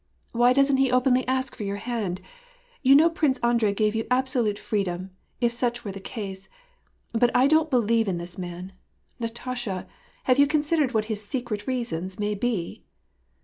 " Why doesn't he openly ask for your hand ? You know Prince Andrei gave you absolute free dom, if such were the case ; but I don't believe in this man. Natasha, have you considered what his secret reasons may be